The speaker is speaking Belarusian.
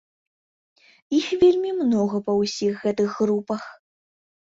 Іх вельмі многа па ўсіх гэтых групах.